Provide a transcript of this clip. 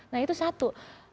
nah itu satu